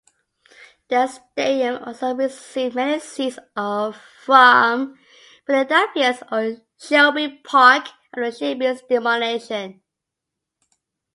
The stadium also received many seats from Philadelphia's old Shibe Park after Shibe's demolition.